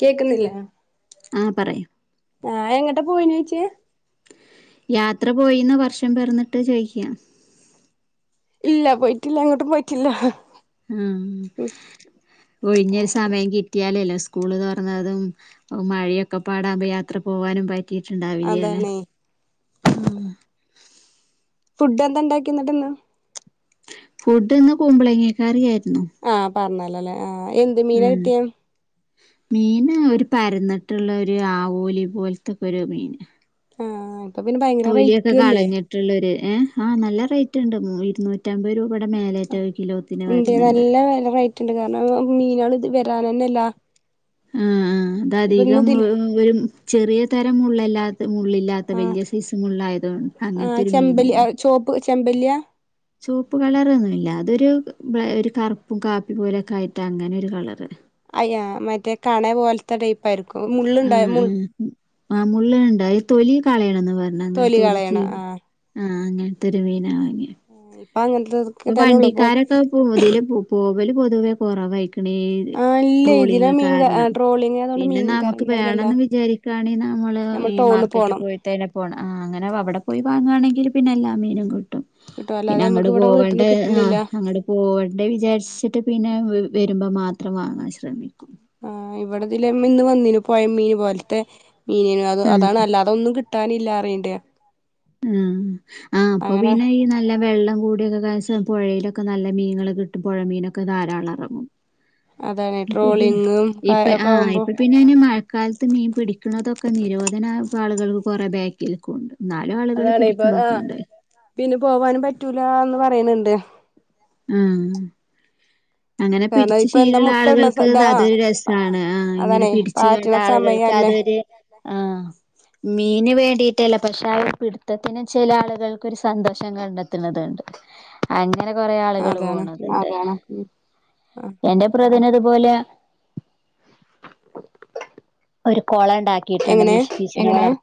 കേക്കുന്നില്ലേ ആഹ് പറയൂ ആഹ് എങ്ങട്ടാ പോയിനെ ചേച്ചി യാത്ര പോയിന്നോ വർഷം പെറന്നിട്ട് ചോയിക്കാ ഇല്ല പോയിട്ടില്ല എങ്ങോട്ടും പോയിട്ടില്ല ഒഴിഞ്ഞൊരു സമയം കിട്ടിയാലല്ലേ സ്കൂള് തുറന്നതും മഴയൊക്കെ പാടാവുമ്പോ യാത്ര പോകാനും പറ്റി നോക്കീട്ടുണ്ടാവില്ലേ അല്ലെ അതാണേ ആഹ് ഫുഡ് എന്താ ഇണ്ടാക്കി എന്നിട്ട് ഇന്ന് ഫുഡ് ഇന്ന് കുമ്പളങ്ങാ കറി ആയിരുന്നു. ആഹ് പർണലൊലെ ആഹ് ആഹ് എന്ത് മീനാ ഉം കിട്ടിയേ? മീന് ഒരു പരുന്നിട്ടുള്ള ഒരു ആവോലി പോലത്തൊക്കെ ഒരു മീന്. ആഹ്. ഇപ്പൊ പിന്നെ ഭയങ്കര തൊലിയൊക്കെ റേറ്റും അല്ലേ കളഞ്ഞിട്ടുള്ളരു ഏഹ് ആഹ് നല്ല റേറ്റ് ഉണ്ട്. ഉം ഇരുന്നൂറ്റമ്പത് രൂ പേടെ മേലേട്ട് ഒരു കിലോത്തിന് വരുന്നുണ്ട്. റ്റുണ്ട്. കാരണം മീനുകൾ ഇത് വരാൻ തന്നെല്ല. ആഹ് ആഹ് അത് അധികം ഒ ഒരു ചെറിയ തരം മുള്ളെല്ലാത്ത മുള്ളില്ലാത്ത ആഹ് വെല്യ സൈസ് മുള്ളായതുകൊണ്ട് അങ്ങൻത്തൊരു മീനേര്ന്ന് ചെമ്പല്ലിയ ചുവപ്പ് കളറൊന്നുമല്ല അതൊരു ഒരു ബ കറുപ്പും കാപ്പി പോലെയൊക്കെ ആയിട്ടാ അങ്ങനെ ഒരു കളറ് അയ്യാ മറ്റേ കണേ പോലത്തെ ടൈപ്പ ആയിരിക്കും ആ ആ മുള്ള് ഉണ്ടായി തൊലി കളയണന്ന് പ തൊലി കളയണ ആഹ ആ അങ്ങനത്തെ ഒരു മീനാ വങ്ങി ആഹ ഇപ്പ് ഇപ്പൊ വണ്ടിക്കാരൊക്കെ പോ പോതില് പോതില് പൊതുവെ കുറവായിരിക്കും പിന്നെത് ആഹ് ഇല്ല ഇതിലെ ട്രോളിങ് മീൻ കാരണം ട്രോളിങ് ആയതുകൊണ്ട് പിന്നെ നമുക്ക് മീൻകാരൻതന്നല്ല വേണേന്ന് വിചാരിക്കുകയാണെങ്കിൽ നമ്മള് നമ്മൾ ഈ ടൗണിൽ മാർക്കറ്റ് പോണം പോയിട്ടേന്നെ പോണം അങ്ങനെ അവിടെ പോയി വാങ്ങുയാണെങ്ക പിന്നെല്ലാ മീനും കി കിട്ടും അല്ലാതെ നമുക്ക് പോവണ്ട ആ അങ്ങട്ട് പോവണ്ട വിചാരിച്ചിട്ട് പിന്നെ വേ വരുമ്പോ മാത്രം വാങ്ങാൻ ശ്രമിക്കും ആ ഇവിടെതില് ഇന്ന് വന്നിന് പോയ മീന് പോലത്തെ മീനോ ഉം അതാണ്ല്ല അതൊന്നും കിട്ട് ട്ടാനില്ലാ അറിയീണ്ട ഉം ആഹ് അപ്പൊ പിന്നെ ഈ നല്ല വെള്ളം കൂടിയൊക്കെ ഒരുസം പുഴയിലൊക്കെ ക്കെന്നല്ല മീന കിട്ട് പുഴമീനൊക്കെ ധാരാളം ഇറങ്ങും അതാണ് ഇപ്പൊ ട്രോളിങ്ങും ഇപ്പ ഒക്കെ ആഹ ആവുമ്പോ ഇപ്പൊ പിന്നെന്നെ മഴക്കാലത്ത് മീൻ പിടിക്കുന്നതൊക്കെ നിരോധന പാളുകൾ കുറെ ബാക്കിൽ കൊണ്ട് ന [unintelligible] അതാണ് ഇപ്പൊ ആഹ പിന്നെ പോവാനും പ റ്റൂല എന്ന് പറയണണ്ട് ആഹ അങ്ങനെ കാരണം പിടിച്ചു ഇപ്പൊ എന്താ ശീലുള്ള മുട്ട ഇടണ ആളുകൾക്ക്ത് ഇതാ അതൊരു രസാണ് ആ ഇങ്ങനെ അതാണേ പിടിച്ചു കണ്ട പാറ്റണ ആളുകൾക്ക് സമയല്ലേ അതൊരു ആഹ മീന് വേണ്ടിട്ടല്ല പക്ഷെ ആ പിടുത്തത്തിന് ചില ആളുകൾക്കെരു സന്തോഷം കണ്ടെത്തണതുണ്ട് അയി അങ്ങനെ കൊറെേ ആളുകൾ അതാണ് പോണത് ഉം ആഹ് എന്റെ പ്ര ന് അതുപോലെ ഒരു കൊള ണ്ടാക്കിട്ടുണ്ട് എങ്ങനെ മിഷി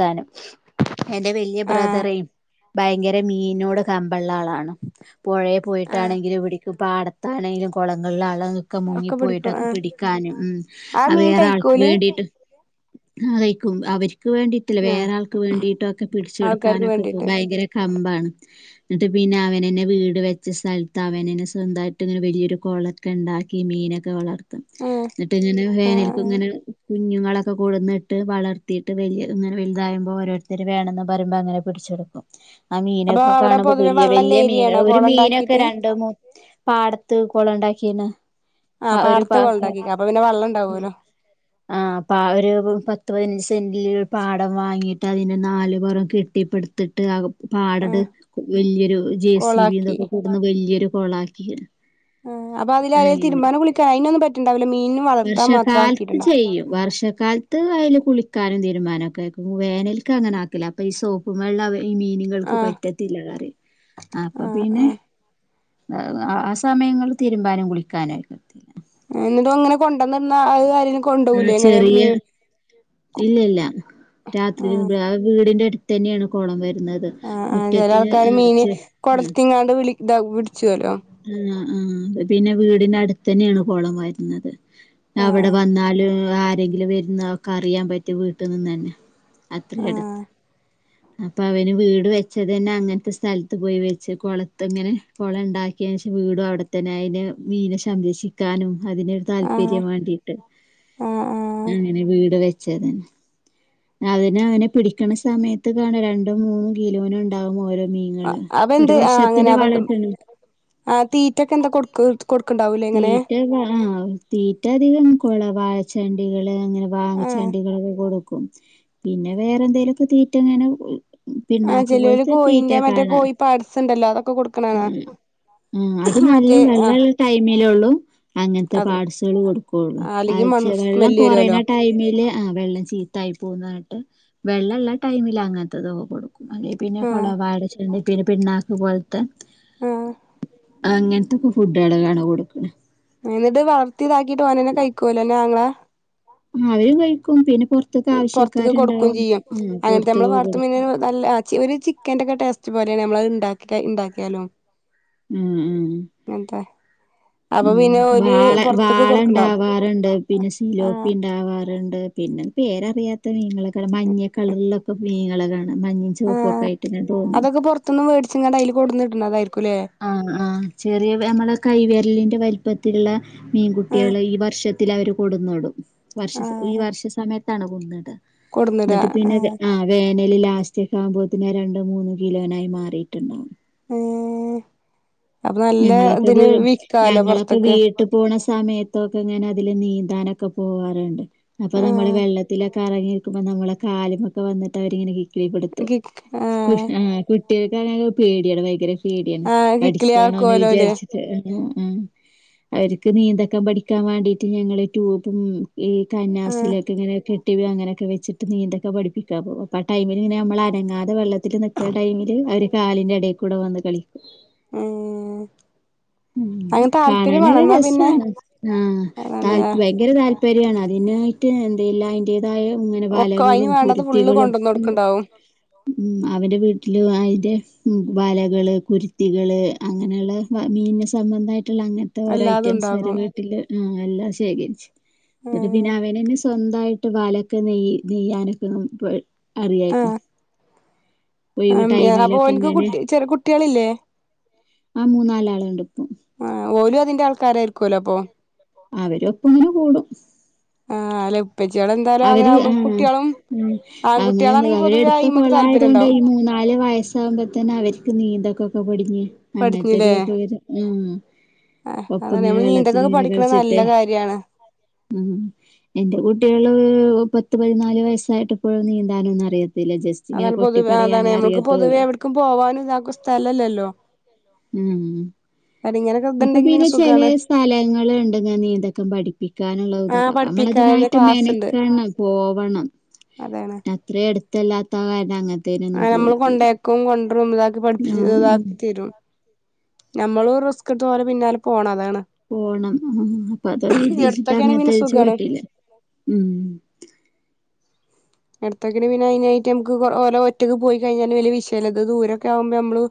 താനം എന്റെ വലിയ ആഹ് ബ്രദറേയും ഭയങ്കര മീനോട് കമ്പൊള്ള ആളാണ് പുഴയി ആഹ് പോയിട്ടാണെങ്കിലും ഇവിടുക്കെ പാട ത്താണേലും കൊളങ്ങളിലാ ളങ്ങളിലൊക്കെ ഒക്കെ പിടിക്കും മുങ്ങിപ്പോയിട്ടൊക്കെ ആ പിടിക്കാനും ഉം ആ അ മീൻ വേറെ ആൾക്ക് കഴിക്കോല് വേണ്ടിട്ട് ആ കഴിക്കും അവര് ക്ക് വേണ്ടിട്ടില്ല ആ വേറാൾക്ക് വേണ്ടിട്ടൊക്കെ ആൾക്കാർക്ക് പിടിച്ചൊടുക്കാനൊക്കെ പോം വേണ്ടിട്ട് ഭയങ്കര കമ്പാണ് ന്നിട്ട് പിന്നെ അവനെന്നെ വീട് വെച്ച സ്ഥലത്ത് അവനെന്നെ സ്വന്തായിട്ട് ഇങ്ങനെ വലിയൊരു കൊളൊക്കെ ഉണ്ടാക്കി മീനൊക്കെ വളർ ത്തും ആ ന്നിട്ട് ങ്ങനെ ആ വേനൽക്ക് ഇങ്ങനെ കുഞ്ഞുങ്ങളൊക്കെ കൊട്ന്നിട്ട് വളർത്തിയിട്ട് വലിയ ഇങ്ങനെ വലുതാകുമ്പോൾ ഓരോരുത്തര് വേണെന്ന് പറയുമ്പോ അങ്ങനെ പിടിച്ച് കൊടുക്കും ആ അപ്പൊ മീനൊക്കെ അവിടെ കാണുമ്പോ പൊതുവെ വലിയ വെള്ളല്ല വലിയ മീന ഏരിയാണോ ഒരു കുളം മീനൊക്കെ ഉണ്ടാക്കിട്ട് രണ്ട് മൂ പാടത്ത് കൊളം ഉണ്ടാക്കിണ് ആ ഒരു പാടത്ത് കുളം പാത്രം ഉണ്ടാക്കി അപ്പൊ പിന്നെ വെള്ളം ഉം ഉണ്ടാവുമല്ലോ ആ പ ഒരു പത്ത് പതിനഞ്ച് സെന്റില് പാടം വാങ്ങിയി്ട്ട് അതിന്റെ നാല് പൊറം കെട്ടിപ്പെടുത്തിട്ട് ആകും പാട് ആ വല്യൊരു ജെ സി ബി കൊളാക്കി ഇതൊക്കെ കൊണ്ടുവന്ന് വല്യൊരു കൊളാക്കി ആ അപ്പം അതില് തിരുമ്പാനും കുളിക്കാനും അതിനൊന്നും പറ്റുണ്ടാവില്ല മീൻ പക്ഷെ കാലത്ത് ചെയ്യും വർഷ കാലത്ത് അതിൽ കുളിക്കാനും തിരുമ്പാനും ഒക്കെ ആക്കും വേനൽക്ക് അങ്ങനെ ആക്കില്ല അപ്പൊ ഈ സോപ്പും വെള്ളം അ ഈ മീനുകൾക്ക് ആ പറ്റത്തില്ലാന്ന് പറയും അപ്പൊ ആ ആ പിന്നെ ആ സമയങ്ങൾ തിരുമ്പാനും കുളിക്കാനും അയ്ന്ന് കൊണ്ട്നിന്നാ അത് കാര്യങ്ങ ഉം ചെറിയ ഇല്ലില്ല രാത്രി ആ വീടിന്റെ അടു ത്തന്നെയാണ് കൊളം വര് രുന്നത് ആ ആ ചില മുറ്റത്തിന് ആൾക്കാര് ആ മീന് ചെറു ആ കൊടത്തിങ്ങാണ്ട് [unintelligible] ഉം ആ അതെ പിന്നെ വീടിന്റെ അടുത്തെന്നെണ് കൊളം വരുന്നത് ആ അവിടെ വന്നാല് ആ എന്തെങ്കിലും വരുന്നവൾക്കറിയാം പറ്റും വീട്ടിനിന്നെ ന്നെ അത്ര ആ എടുത്താ അപ്പൊ അവര് വീട് വെച്ചതെന്നെ അങ്ങൻത്തെ സ്ഥലത്ത് പോയി വെച്ച് കൊളത്ത് ങ്ങനെ കൊളം ണ്ടാക്കിയേന് ശേഷം വീടും അവിടെത്തന്നെ അയ്ന് മീനെ സംരക്ഷിക്കാനും അതിനൊരു ആഹ് താല്പര്യം വാണ്ടിട്ട് ആഹ് ആഹ് അങ്ങനെ വീട് വെ ച്ചത് അതിനെ അവന് പിടിക്കണ സമയ ത്ത് കാണാ രണ്ടും മൂന്നും കിലോ ന്ണ്ടാവും ഓരോ മീനുകള്. അവ ഒരു ന്തെ ആ അങ്ങനെ വർഷത്തിന്റെ അവ വളർത്തേണ്. ആ തീറ്റൊക്കെ എന്താ കൊടുക്ക കൊടുക്ക്‌ തീറ്റ ആ തീറ്റ അധികം കൊള വ യചണ്ടി ക ള് ങ്ങനെ വാങ്ങി ആഹ് ചണ്ടികളൊക്കെ കൊടുക്കും ക്കും പിന്നെ വേറെ ന്തെലൊക്കെ തീറ്റങ്ങനെ ആ ചെലോല് കോയിന്റെ മറ്റേ കോയി പാട്സ് ണ്ടല്ലോ അതൊക്കെ കൊട്ക്ക്ണെ കാണാ മറ്റേ ആ ഐ മേലൊള്ളൂ അങ്ങൻത്തെ പാട്സുകൾ കൊടുക്കും ആഹ് ആ അല്ലെങ്കി ചെ മണം വെള്ളം സ്മെല്ല് കൊറെണ വരുവല്ലോ ടൈമില് ആഹ് വെള്ളം ചീത്തായി പോവുന്നർഞ്ഞിട്ട് വെള്ള ള്ള ടൈമിൽ അങ്ങനത്തതൊക്കെകൊടുക്കു അതെ പിന്നെ കൊള ആഹ് വാഴടെ ചണ്ടി പിന്നെ പിണ്ണാക്ക് പോല്ത്തെ ആഹ് അങ്ങൻത്തെ കൊ ട്ടെടെ കാണാ കൊട്ക്ക് ണ് എന്നിട്ട് വളർ ത്തി താക്കിട്ട് ഓനെന്നെ കയിക്കോ ല്ലോ അൻ്റാങ്ങള അവരും കയിക്കും പിന്നെ പൊറത്ത്ക്ക് പൊർത്ത്ക്ക് കൊട്ക്കും ആവശ്യക്കാരുണ്ടാവും ചെയ്യും ഉം അങ്ങൻത്തെ നമ്മളെ കൊടുത്തൊക്കെ വളർത്ത മീൻ കൊടുക്കും നല്ല അ ചി ഒര് ചി ക്കന്റെ ക്കേ ടേസ്റ്റ് പോലെയ നമ്മളത്ണ്ടക്ക ഇണ്ടാ ക്യാലും ഉം ഉം എന്ത ഉം വാള വാള കൊടുക്ക്ണ്ടാവും ണ്ടാവാറ്ണ്ട് പിന്നെ സിലോപ്പി ആഹ് ണ്ടാവാറ്ണ്ട് പിന്നെ പേരറിയാത്ത മീനുകളൊക്കെ മഞ്ഞ കളറിലൊക്കെ മീനളെ ക മഞ്ഞിം ചോപ്പോക്കായിട്ട്ങ്ങനെ തോന്നും ച്ച് ങ്ങാണ്ട് അയ്ല് കൊട്ന്നിടുന്നതായിരി ആ ആ ചെറിയ അമ്മളെ കൈ വെര്ലിന്റെ വലി പ്പത്തില്ള്ള ആഹ് മീൻകുട്ട്യെള് ഈ വർഷത്തില് അവര് കൊടന്നിടും വർഷസ ഈ ആഹ് വർഷ സമയത്ത് ത്താണ് കൊട്ന്ന്ടാ ന്നിട്ട് പിന്നെ വേ ആഹ് വേനലിലാ ഫസ്റ്റൊക്കെ ആകുമ്പോത്തിന് രണ്ട് മൂന്ന് കിലോനായി മാറിയിറ്റ്ണ്ടാവും ഏഹ് അപ്പൊ നല്ല ഞങ്ങളൊക്കെ ഇത് ഇതിന് വിക്കാലോ ഞങ്ങളൊക്കെ പൊറത്ത്ക്ക് വീട്ടു പോണ സമയത്തൊക്കെ ഇങ്ങനെ അതില് നീന്താനൊ ക്കെ പോവാറ്ണ്ട് അപ്പൊ നമ്മള് ആഹ് വെള്ളത്തിലൊക് കറങ്ങിര്ക്കുമ്പം നമ്മളെ കാല് മ്മക്കവന്നട്ട് അവരിങ്ങനെ കി തീ കൊടുത്തു കിക്ക് കുശ് ആഹ് ആ കു ട്ടേക്കാണാലും പേടിയാണ് ഭയങ്കര പേടിയാണ് ആഹ് കിക്കിലി കടിക് അ ആക്കോലോല്ലേ നെയ്ജാര്ച് ട്ട് ഹ് ഹ്മ് അവര്ക്ക് നീന്തക്കം പഠിക്കാം വാണ്ടീട്ട് ഞങ്ങള് റ്റൂ പൂം ഈ ആഹ് കന്നാസിലൊക്കെങ്ങനെക്കെ [unintelligible] അങ്ങനൊക്കെ വെച്ചിട്ട് നീന്തക്കാം പഠിപ്പിക്കാം പോ അപ്പോ ആ ടൈമിൽ ഇങ്ങനെ മ്മളനങ്ങാതെ വെള്ള തില്നിക്കണ ടൈമില് അവര് കാലിന്റെ ഇടീക്കുടെ വെന്ന് കളിക്കും ഏഹ് കാണാനോര് റസാണ് ആ അതാണ് താൽ വയങ്കര താല്പ പ്പേരിയാണ് അതിനായിട്ട് ഇതില്ലാത്ത ഒക്കെ അയിന് വളകളും വേണ്ടത് ഫുള്ള് കുർഥികളും കൊണ്ടന്നൊടുക്ക്ണ്ടാവും മ്മ് അവരെ വീട്ടില് അയിന്റെ വളകള് കുര്തികൾ അങ്ങനെള വീന സംബന്താ ല്ല അങ്ങൻത്തെ ഓരോ എല്ലാതും ഐറ്റംസാരെ ഉണ്ടാകും വീട്ടില് ആ എല്ലാം ശേഖരിച്ച് ന്നട്ട് ആഹ് പിന്നവനെന്നെ ചെ സ്വന്തായിട്ട് വാലൊക്കെ നെയ്യ് നെയ്യാനൊക്കെണ് പ് ആ ഒഴിവ് ആം എന ടൈമിലൊക്കെ പ്പോൻക്ക് കുട്ട് ചെറെ കുട്ട്യേളില്ലേ ആമൂന്നാലാള് ഉണ്ട് ആ ഓലു ആ തിന്റെ ആൾക്കാരായിരിക്കുലോ അപ്പൊ അവര് ഒപ്പങ്കി കൂടും ആ അലപ് അവര് ആഹ് ഉം അങ്ങനെന്തേ ആൺകുട്ടികളാണെങ്കി പൊതുവേ അവര്ട്ത്ത അയിമക്ക് താല്പര്യം കൊളായതോണ്ടേ ഉണ്ടാവും ഈ മൂന്നാല് വയസ്സാകുമ്പത്തന്നെ അവര്ക്ക് നീന്തൊക്കൊക്കെ പടിക് ഹ്മ് പഠിഞ്ഞില്ലേ അങ്ങൻത്തെന്നതൊക്കെ വരാ ആ ആ അതാണ് ഒപ്പങ്ങനെ നമ്മള് വെള്ളത്തില് നീന്തക്കൊക്കെ ങ്ങനെ കൾ പഠിക്കണത് ച്ട്ട് നല്ല കാര്യാണ് ഹ്മ് എന്റെ കുടട്ടെ ഹ്ഹോ പത്ത് പതിനാല് വയസ്സായിട്ട്പ്പോഴും നീന്താനൊന്നും അറിയ അതാണ് പൊതുവെ അതാണ് നമ്മൾ ക്ക് പൊതുവേ എവിട്ക്കും പോവാനും താക്കും സ്ഥലല്ലല്ലോ ഉം ഉം അല്ല ഇങ്ങനൊക്കെ ഇപ്പൊ ഇതുണ്ടെങ്കി പിന്നെ ചെലെ സുഖാണ് സ്ഥലങ്ങള്ണ്ട് നീന്തക്കം ആ പഠിപ്പിക്കാനുള്ളതൊക്കെ അപ്പ പഠിപ്പിക്കാന് നമ്മള്തിനായിട്ട് ക്ലാസ് ഉണ്ട് മെനക്കണം പോവണം അതാണ് അത്രട് ത്തല്ലാത്ത കാരണം അങ്ങൻ ആ ഞമ്മള് കൊണ്ടേക്കും കൊണ്ടറും ഇതാക്കി ആഹ് ആഹ് പഠിപ്പിച്താക്കി തരും ഞമ്മള് റിസ്ക് എടുത്ത് ഓരെ പിന്നാലെ പോണം അതാണ്. പോണം ആ അപ്പൊ അത് ഉദ്ദേശിച്ചത് എടുത്തൊക്കെ ആണെങ്കി അങ്ങൻത്തെ പിന്നെ വെച്ച് സുഖാണ് വിട്ടില് ഉം എടത്തൊക്കിന് പിന്നെ അയിനായിട്ട് നമക്ക് ഓല് ഒറ്റയ്ക്ക് പോയി കഴിഞ്ഞാല് വലിയ വിഷയില്ല, ഇത് ദൂരൊക്കെ ആവുമ്പോ ഞമ്മള്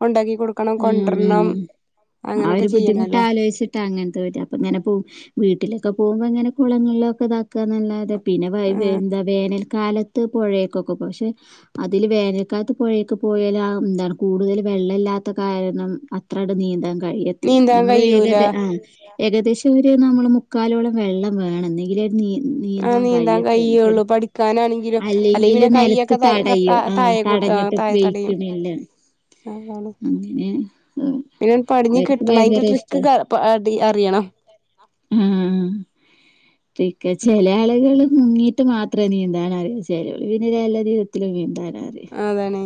കൊണ്ടാക്കി കൊടുക്കണം കൊണ്ടരണം ഉം ആ അങ്ങനൊക്കെ ഒരു ബുദ്ധിമുട്ട് ചെയ്യണല്ലോ ആലോചിച്ചിട്ടാ അങ്ങൻത്തോര് അപ്പ ഇങ്ങനെ പോവും വീട്ടിലൊക്കെ പോവുമ്പോ ഇങ്ങനെ കുളങ്ങളിലൊക്കെ ഇതാക്കാന്നല്ലാതെ പിന്നെ [unintelligible] ആഹ് എന്താ വേന കാലത്ത് പുഴയൊക്കൊക്കെ പക്ഷെ അതില് വേനൽക്കാലത്ത് പുഴയൊക്കെ പോയൽ എന്താണ് കൂടുതൽ വെള്ളമല്ലാത്ത കാരണം അത്രണ്ട് നീന്താൻ കരേലെത്തി നീന്താൻ നമ്മള് വേഗം കഴിയൂല ഇത് ആ ഏകദേശം ഒരു നമ്മള് മുക്കാലോളം വെള്ളം വേണം എന്നെങ്കിലെ ഒരു നീ ആഹ് നീന്താൻ കഴിയത്തുള്ളൂ. പടി കയ്യുള്ളു. പഠിക്കാനാണെങ്കിലും അല്ലെങ്കി അല്ലെങ്കില് പിന്നെ നിലത്ത് കയ്യൊക്കെ താ തടയും ആഹ് തായെ മുട്ടും. തടഞ്ഞിട്ട് താഴെ തടയും വെയ്ക്കണില്ല. അതാണ്. അങ്ങനെ പിന്നൊന്ന് പടിഞ്ഞ് അവർക്ക് കിട്ടണൈ ഐന്റെ ഭയങ്കര ഇഷ്ട ട്രിക്ക് ക പടി അറിയണം ഉം ഉം ക്ക ചില ആളുകള് മുങ്ങീട്ട് മാത്രേ നീന്താനറിയാെള്ളൂ ചിലോര് പിന്നെ ചെല രിധത്തില് നീന്താൻ അറിയാം അതാണെ.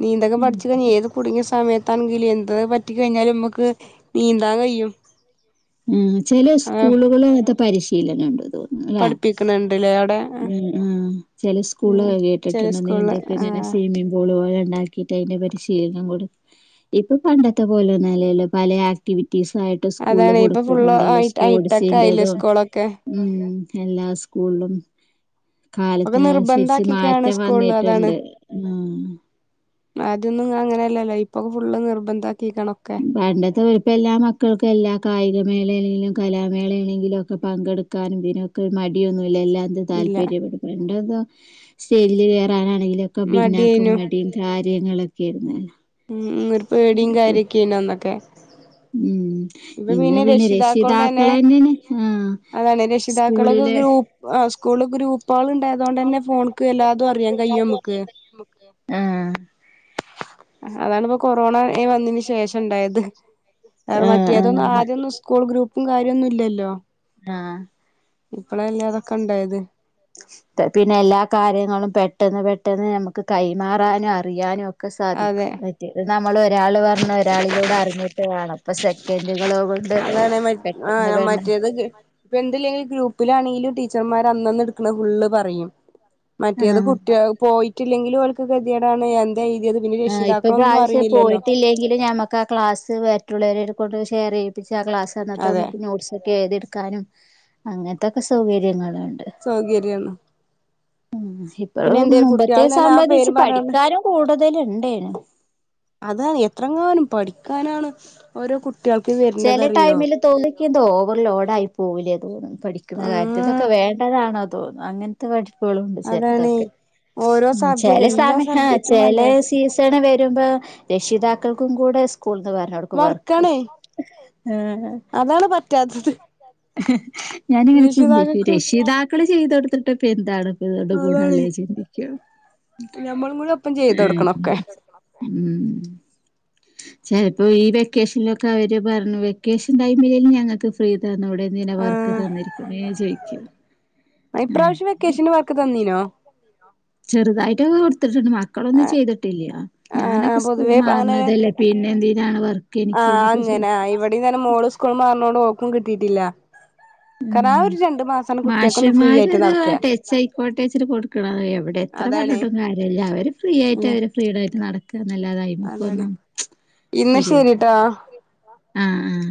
നീന്തലൊക്കെ പഠിച്ചില്ലെങ്കി ഏത് കുടുങ്ങിയ സമയ ത്താണെങ്കില് എന്തത് പറ്റി കഴിഞ്ഞാലും ഇമ്മക്ക് നീന്താൻ കയ്യും. ഉം ചെല സ്കൂളുകള് അതൊക്കെ പരി ശീലനം ഉണ്ട്. തോന്നണു അല്ലെ. പഠിപ്പിക്കണണ്ട്ല്ലേ അവിടെ ചില സ്കൂള് ഉം ചെല കേട്ടിട്ടുണ്ട് സ്കൂളില് നീന്തലൊക്കെ ഇങ്ങനെ ആഹ് സ്വിമ്മിംഗ് പൂൾ പോലെ ഉണ്ടാക്കിയിട്ട് അതിന്റെ പരി പിന്നങ്ങോട്ട് ഇപ്പൊ പണ്ടത്തെ പോലെ ഒന്നല്ലല്ലോ പലെ ആക്ടിവി പീസായിട്ട് സ്കൂള് അതാണ് കൊട് ഇപ്പൊ ഫുള്ള് ഹൈ ഹൈട്ടക്കെ ആയില്ലേ സ്കൂളൊക്കെ. ഉം എല്ലാ സ്കൂളിലും. ഒക്കെ കാലത്തിനനുസരിച്ച് നിർബന്ധാക്കിക്കാണ് മാറ്റം സ്കൂളില് അതാണ് വന്നിട്ടുണ്ട്. ആഹ് ഇല്ലല്ല ഇപ്പൊക ഫുള്ള് നിർബന്ധാ പണ്ടത്തെ വലിപ്പ എല്ലാ മക്കൾക്കും എല്ലാ കായികമേ ളെലേലും കലാമേള ഏണെങ്കിലും ഒക്കെ പങ്കെട്ക്കാനും ഇതിനൊക്കെ ഒര്മടിയൊന്നു എല്ല എല്ലാത്തിനും ഇല്ല താല്പര്യപ്പെടും പണ്ടാെക്ക സ്റ്റേജില് കേറാനാണ് അയിലൊക്കെ ബിന്നാക്കും മടിയേനു മടീ [unintelligible] ഏങ്ങലൊക്കെ ആയിരുന്നല്ലാ [unintelligible] പേടിം കാര്യൊക്കേനന്നൊക്കെ ഉം ഇന്ന് പിന്നെ രക്ഷിതാക്കളും തന്നെ രക്ഷിതാക്കളന്നേണ് ആ സ്കൂളില് കൂളു ഗ്രൂപ്പ് പ്പോളുണ്ടായതോണ്ടന്നെ ഫോണ്ക്ക് എല്ലാതും അറിയാൻ കയ്യും ഇമക്ക്, ആഹ് അതാണ്പ്പോ കൊറോണ വന്നതിന് ശേഷം ഇണ്ടായത്. ആഹ് റ്റേതൊന്ന് ആഹ് ആദ്യൊന്നു സ്കൂൾ ഗ്രൂപ്പും കാര്യൊന്നുല്ലല്ലോ ആഹ് പ്പളല്ലേ തൊക്കെണ്ടായത് പിന്നെ എല്ലാ കാര്യങ്ങളും പെട്ടെന്ന് പെട്ടെന്ന് നമ്മക്ക് കൈമാറാനു അറിയാനൊ ക്കെ അതെ സാധിക്കും. മറ്റത് നമ്മള് ഒരാള് പർഞ്ഞ് ഒരാളിലൂടെ അറിഞ്ഞ് വേണം പ്പൊ സെക്കൻഡുകളോകൊ താണ് മ ആ മറ്റേത് കി ഇപ്പൊ എന്ത്‌ല്ലെങ്കില് ഗ്രൂപ്പിലാണെങ്കിലും ടീച്ചർമാര് അന്നന്ന്ട്ക്ണെ ഫുള്ള് പറയും മറ്റേത് ആഹ് കുട്ട്യേള് പോയിട്ടില്ലെങ്കിലോൽ ക് തിയേടാണ് എ ആ ഇപ്പൊ പ്രാവശ്യം പോയിട്ടില്ലെങ്കിലും ഞമ്മക്ക് ആ ക്ലാസ്സ് മറ്റുള്ളവരെട് ക്കൊണ്ട് ഷെയറെയ്യിപ്പിച് ത് ആ ക്ലസന്നത്തെ അതെ മുക് നോട്ട്സൊക്കെ എഴ്‌തിട് ക്കാനും അങ്ങൻത്തൊക്കെ സൗകര്യങ്ങളാ സൗകര്യണ് ഇപ്പളും മുമ്പത്തെ തന്നെ ആ പേര് സംബന്ധിച്ച് പറഞ്ഞോണ്ട് പഠിക്കാനും കൂട് ത് ല്ണ്ടേനു അതാ എത്രങ്ങാനും പഠിക്കാനാണ് ഓരോ കുട്ട് ചെല ടൈമില് തോന്നി എന്താ ഓവർലോഡ് ആയി പോവുലേ തോന്ന് പഠിക്കുന്ന ആ കാര്യത്തി ഇതൊക്കെ വേണ്ടതാണോ തോന്ന അങ്ങൻത്തെ വട് പ്പോളുംണ്ട് അതാണ് ചെലതൊക്കെ ഓരോ സബ്ജക്ട് ചെല സ എല്ലാ സബ്ജക്റ്റും വേണ്ടേ സീസണ് വെ [unintelligible] രഷിതാക്കൾക്കും കൂടെ സ് കുളിന്ന് വരാണോക്ക് വർക്ക് വർക്കാണേ ആഹ് അതാണ് പറ്റാത്തത് ഞാനിങ്ങനെ ചിന്തിക്കൂ രക്ഷിതാക്കൾക്കും രഷിത മക്കള് ചെയ്ത് കൊടുത്തിട്ട്പ്പൊ എന്താണ് ഇതോണ്ട് അതാണ് ഗുണള്ളെന്ന് ചിന്തിക്കോം ഞമ്മളും കൂടെ ഒപ്പം ചെയ്ത് കൊടുക്കണോക്കെ ഏഹ് ഉം ചെലപ്പോ ഈ വെക്കേഷനിലൊക്കെ അവര് പറഞ്ഞു വെക്കേഷൻ ടൈമിലേലും ഞങ്ങക്ക് ഫ്രീ ന്നുടെ ന്തിനാ വർക്ക് ആഹ് തന്നിരിക്കുനെ ചോയിക്കും ഉം ഇപ്രാവശ്യം വെക്കേഷന് വർക്ക് തന്നീനോ ചെറുതായിട്ടൊക്കെ കൊട് ത്തിട്ട്ട്ട്ണ്ട് മക്കളൊന്നും ആഹ് ചെയ്തിട്ടില്ല്യാ ആഹ് ഞാനൊക്കെ സ്കൂൾ പൊതുവേ അങ്ങനെ മാർണതല്ലേ പിന്നെ എന്തിനാണ് വെർ ആഹ് അങ്ങനെ ഇവിടീതന്നെ മോള് സ്കൂൾ മാറുന്നോണ്ട് ഓ ക്കും കിട്ടീട്ടില്ല ഉം ഫ്രീ ആയിട്ട് മാഷ്മാര്ത് നടക്കുക ടെച്ചയിക്കോട്ടെച്ച്ട്ട് കൊടുക്ക്ണതാ എവിടെ എത്ര അതാണ് പറഞ്ഞിട്ടും കാര്യല്ല അവര് ഫ്രീ ആയിട്ട് അവര് ഫ്രീടായിട്ട് അതാണ് നടക്കന്നല്ലാതായിമക്കൊന്നും ഇന്നാ ശരിട്ടോ തരിയലില്ല ആ ആ